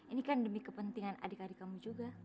ini kan demi kepentingan adik adik kamu juga